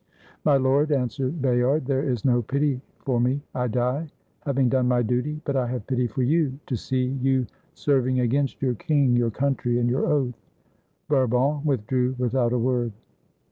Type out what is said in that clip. "My lord," answered Bayard, "there is no pity for me; I die, having done my duty; but I have pity for you, to see you serving against your king, your country, and your oath." Bourbon withdrew without a word.